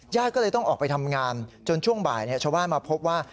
ญาติก็เลยต้องออกไปทำงานจนช่วงบ่ายชาวบ้านมาพบว่า